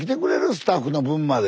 スタッフの分まで。